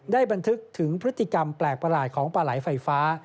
บันทึกถึงพฤติกรรมแปลกประหลาดของปลาไหลไฟฟ้า